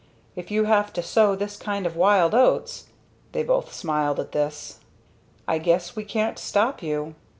If you have to sow this kind of wild oats " they both smiled at this, "I guess we can't stop you.